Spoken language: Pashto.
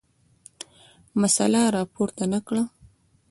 مسله راپورته نه کړه.